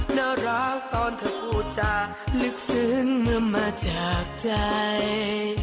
น่ารักตอนเธอพูดจาลึกซึ้งเมื่อมาจากใจ